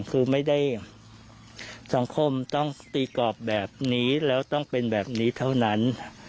คือไม่ได้สังคมต้องตีกรอบแบบนี้แล้วต้องเป็นแบบนี้เท่านั้น